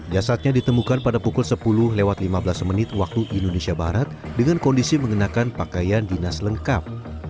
jasadnya ditemukan pada pukul sepuluh lewat lima belas menit waktu indonesia barat dengan kondisi mengenakan pakaian dinas lengkap